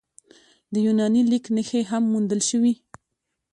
د یوناني لیک نښې هم موندل شوي